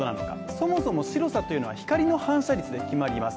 そもそも白さというのは光の反射率で決まります。